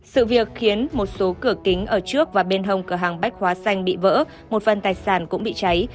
sự việc khiến một số cửa kính ở trước và bên hông cửa hàng bách hóa xanh bị vỡ một phần tài sản cũng bị cháy